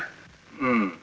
うん。